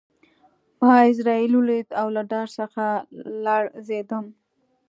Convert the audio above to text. ما عزرائیل ولید او له ډار څخه لړزېدم